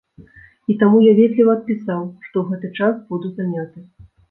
І таму я ветліва адпісаў, што ў гэты час буду заняты.